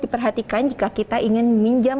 diperhatikan jika kita ingin meminjam